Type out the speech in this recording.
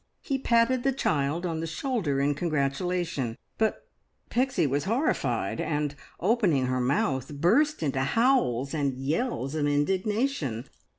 He patted the child on the shoulder in congratulation; but Pixie was horrified, and, opening her mouth, burst into howls and yells of indignation.